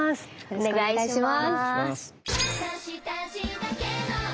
お願いします。